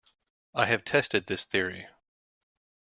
I have tested this theory.